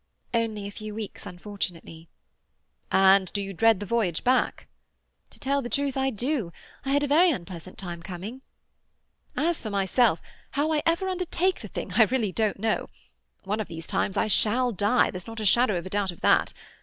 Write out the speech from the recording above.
"Only a few weeks, unfortunately." "And do you dread the voyage back?" "To tell the truth, I do. I had a very unpleasant time coming." "As for myself, how I ever undertake the thing I really don't know. One of these times I shall die; there's not a shadow of doubt of that.